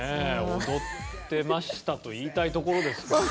「踊ってました」と言いたいところですけどね。